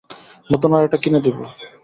নতুন আরেকটা কিনে দেবো।